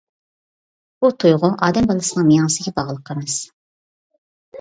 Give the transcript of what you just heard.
بۇ تۇيغۇ ئادەم بالىسىنىڭ مېڭىسىگە باغلىق ئەمەس.